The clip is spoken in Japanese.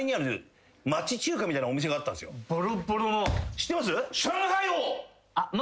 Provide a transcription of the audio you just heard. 知ってます？